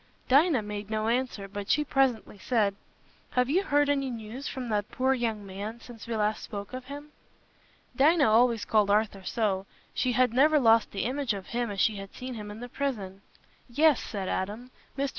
Dinah made no answer, but she presently said, "Have you heard any news from that poor young man, since we last spoke of him?" Dinah always called Arthur so; she had never lost the image of him as she had seen him in the prison. "Yes," said Adam. "Mr.